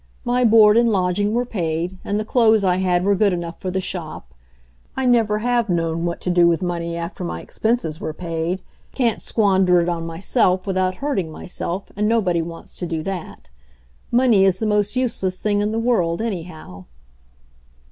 My board and lodging were paid and the clothes I had were good enough for the shop. I never have known what to do with money after my expenses were paid — can't squander it on myself without hurting myself, and nobody wants to do that. Money is the most useless thing in J the world, anyhow."